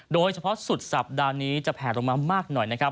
โดยเฉพาะสุดสัปดาห์นี้จะแผลลงมามากหน่อยนะครับ